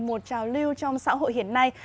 một trào lưu trong xã hội hiện nay